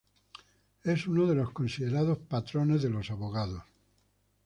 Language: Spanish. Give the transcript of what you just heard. Es uno de los considerados patrones de los abogados.